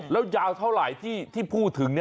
แล้วยาวเท่าไหร่ที่พูดถึง